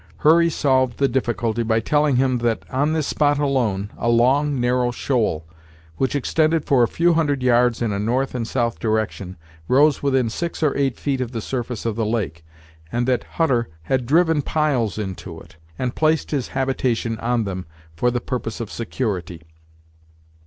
Hurry solved the difficulty by telling him that on this spot alone, a long, narrow shoal, which extended for a few hundred yards in a north and south direction, rose within six or eight feet of the surface of the lake, and that Hutter had driven piles into it, and placed his habitation on them, for the purpose of security.